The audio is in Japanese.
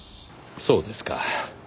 そうですか。